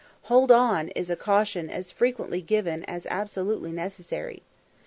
"Hold on" is a caution as frequently given as absolutely necessary.